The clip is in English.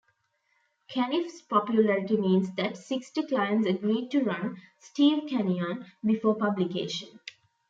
Caniff's popularity meant that sixty clients agreed to run "Steve Canyon" before publication.